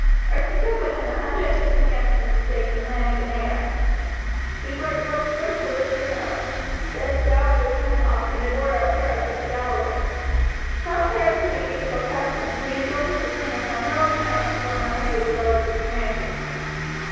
Archie took with him a hundred and fifty men from his estates in Lanark and Ayr. He marched first to Loudon Hill, then down through Cumnock and the border of Carrick into Galloway. Contrary to the usual custom, he enjoined his retainers on no account to burn or harry the villages and granges.